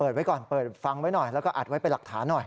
ไว้ก่อนเปิดฟังไว้หน่อยแล้วก็อัดไว้เป็นหลักฐานหน่อย